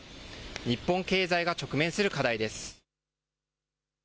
日本経済が直面する課題です。